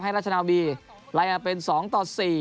ให้รัชนาวีไล่ออกเป็น๒ต่อ๔